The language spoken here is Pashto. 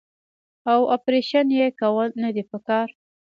او اپرېشن ئې کول نۀ دي پکار -